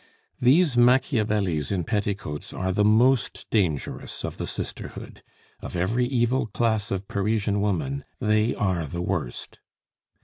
These Machiavellis in petticoats are the most dangerous of the sisterhood; of every evil class of Parisian woman, they are the worst.